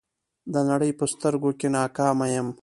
د نړۍ په سترګو کې ناکامه یم.